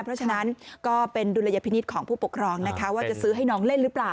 เพราะฉะนั้นก็เป็นดุลยพินิษฐ์ของผู้ปกครองนะคะว่าจะซื้อให้น้องเล่นหรือเปล่า